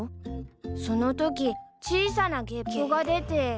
そのとき小さなげっぷが出て。